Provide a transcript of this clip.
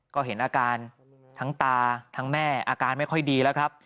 ก็เห็นอาการทั้งตาทั้งแม่อาการไม่ค่อยดีแล้วครับ